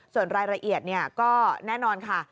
ส่วนรายละเอียดก็แน่นอนค่ะ